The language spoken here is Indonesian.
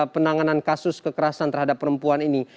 penanganan kasus kekerasan terhadap perempuan ini